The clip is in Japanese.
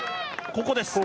ここですね